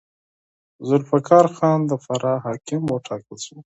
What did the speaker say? ذوالفقار خان د فراه حاکم وټاکل شو.